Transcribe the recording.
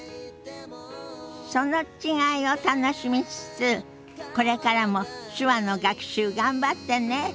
その違いを楽しみつつこれからも手話の学習頑張ってね。